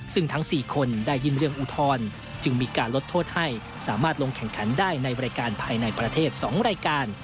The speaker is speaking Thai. ซึ่งทั้ง๔คนได้ยื่นเรื่องอุทธรณ์จึงมีการลดโทษให้สามารถลงแข่งขันได้ในบริการภายในประเทศ๒รายการ